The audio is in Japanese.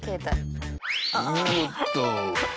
おっと。